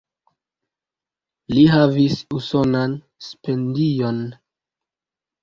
Li havis usonan stipendion.